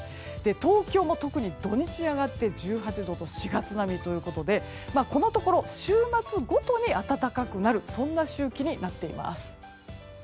東京も特に土日に上がって１８度と４月並みということでこのところ週末ごとに暖かくなるそんな周期になっています。